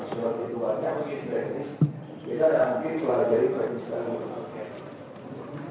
surat itu banyak teknis bisa ada yang mungkin pelajari perinisian